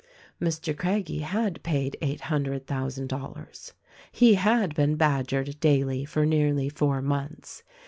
Mr. Craggie had paid eight hundred thousand dollars. He had been badgered daily for nearly four months.